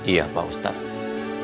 iya pak ustadz